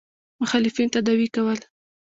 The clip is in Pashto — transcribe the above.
مخالفین تداوي کول.